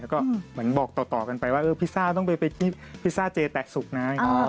แล้วก็เหมือนบอกต่อกันไปว่าพิซซ่าต้องไปที่พิซซ่าเจแตะสุกนะ